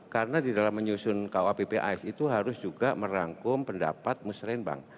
karena di dalam menyusun kuappis itu harus juga merangkum pendapat musrembang